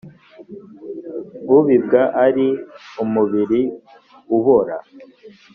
ubibwa ari umubiri ubora